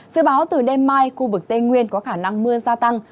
dự báo từ đêm mai khu vực tây nguyên có khả năng mưa gia tăng